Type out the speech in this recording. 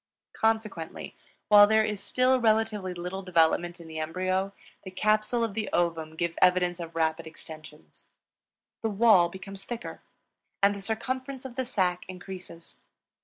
Consequently, while there is still relatively little development in the embryo, the capsule of the ovum gives evidence of rapid extension; the wall becomes thicker, and the circumference of the sac increases.